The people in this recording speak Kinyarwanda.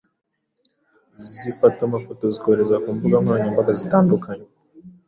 zifata amafoto zikohereza ku mbuga nkoranyambaga zitandukanye